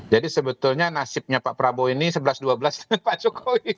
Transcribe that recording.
jadi sebetulnya nasibnya pak prabowo ini sebelas dua belas dengan pak jokowi